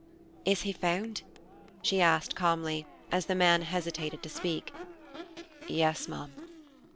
"Is he found?" she asked calmly, as the man hesitated to speak. "Yes, ma'am."